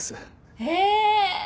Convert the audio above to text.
へえ！